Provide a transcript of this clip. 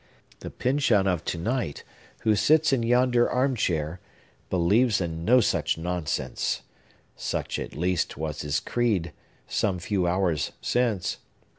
The Pyncheon of to night, who sits in yonder arm chair, believes in no such nonsense. Such, at least, was his creed, some few hours since.